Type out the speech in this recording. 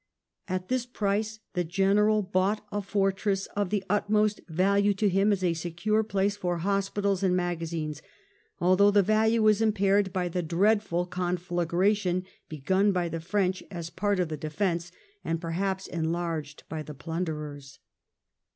At this price the General bought a fortress of the utmost value to him as a secure place for hospitals and magazines, although the value was impaired by the dreadful confla gration begun by the French as part of the defence, and perhaps enlarged by the plunderers.